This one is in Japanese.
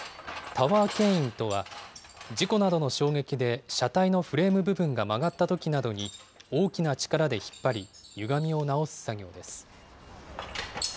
タワーけん引とは、事故などの衝撃で車体のフレーム部分が曲がったときなどに大きな力で引っ張り、ゆがみを直す作業です。